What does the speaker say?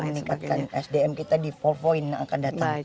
itulah kita meningkatkan sdm kita di empat point yang akan datang